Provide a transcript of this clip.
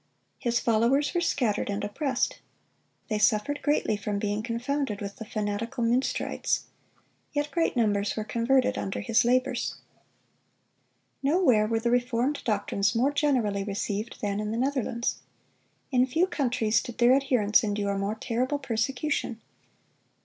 His followers were scattered and oppressed. They suffered greatly from being confounded with the fanatical Munsterites. Yet great numbers were converted under his labors. Nowhere were the reformed doctrines more generally received than in the Netherlands. In few countries did their adherents endure more terrible persecution.